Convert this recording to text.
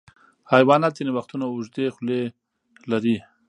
حیوانات ځینې وختونه اوږدې خولۍ لري.